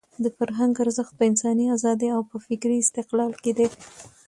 د فرهنګ ارزښت په انساني ازادۍ او په فکري استقلال کې دی.